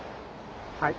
はい。